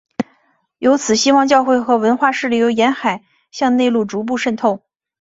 由此西方教会和文化势力由沿海向内陆逐步渗透。